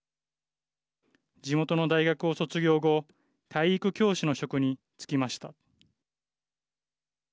地元の大学を卒業後体育教師の職に就きました。